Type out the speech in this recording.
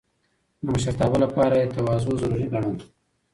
د مشرتابه لپاره يې تواضع ضروري ګڼله.